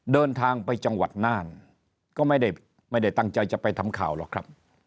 เดินทางไปจังหวัดน่านก็ไม่ได้ตั้งใจจะไปทำข่าวหรอกครับ